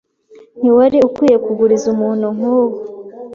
Ntiwari ukwiye kuguriza umuntu nkuwo.